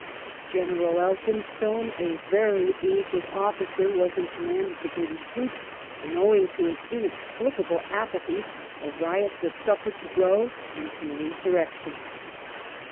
General Elphinstone, a very aged officer, was in command of the British troops, and, owing to his inexplicable apathy, a riot was suffered to grow into an insurrection.